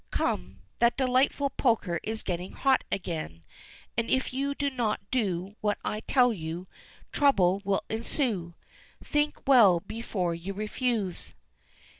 Come, that delightful poker is getting hot again, and if you do not do what I tell you, trouble will ensue. Think well before you refuse."